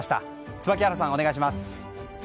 椿原さん、お願いします。